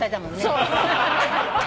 そう。